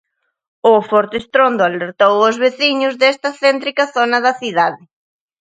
O forte estrondo alertou aos veciños desta céntrica zona da cidade.